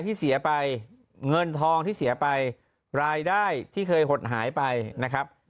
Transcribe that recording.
ที่เสียไปเงินทองที่เสียไปรายได้ที่เคยหดหายไปนะครับ